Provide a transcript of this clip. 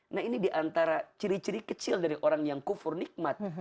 nah ini diantara ciri ciri kecil dari orang yang kufur nikmat